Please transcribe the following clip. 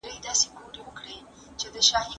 زه بايد لوښي وچوم!.